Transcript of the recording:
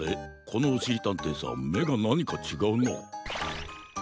このおしりたんていさんめがなにかちがうな。